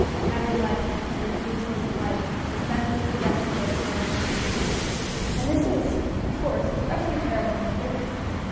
On every life every useless life is a senseless death for its birthmark. And this is, of course, especially terrible in the springtime.